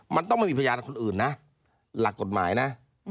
มันต้องไม่มีพยานคนอื่นนะหลักกฎหมายนะ